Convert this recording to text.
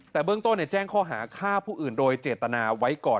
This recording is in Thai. แต่เบื้องต้นแจ้งข้อหาฆ่าผู้อื่นโดยเจตนาไว้ก่อน